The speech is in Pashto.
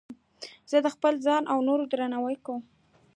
زه د خپل ځان او نورو درناوی کوم.